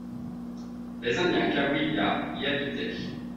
Les indiens Cahuilla y habitaient.